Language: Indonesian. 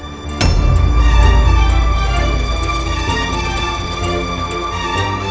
apa yang sukar mereka diilhamkan